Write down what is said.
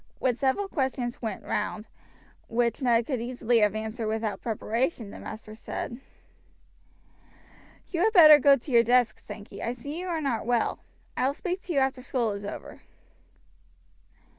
When several questions went round, which Ned could easily have answered without preparation, the master said: "You had better go to your desk, Sankey; I see you are not well. I will speak to you after school is over."